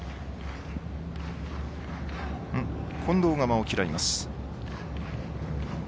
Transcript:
近藤が間を嫌います。